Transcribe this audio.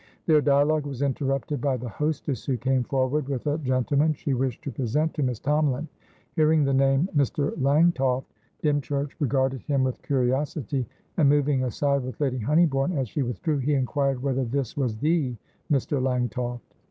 Their dialogue was interrupted by the hostess, who came forward with a gentleman she wished to present to Miss Tomalin. Hearing the nameMr. LangtoftDymchurch regarded him with curiosity, and, moving aside with Lady Honeybourne as she withdrew, he inquired whether this was the Mr. Langtoft.